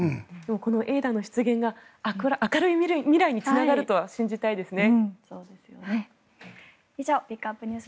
Ａｉ−Ｄａの出現が明るい未来につながると信じたいですね。